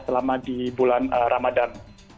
selama di bulan ramadan